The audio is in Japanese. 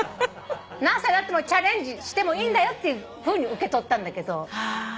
何歳になってもチャレンジしてもいいんだよっていうふうに受け取ったんだけど。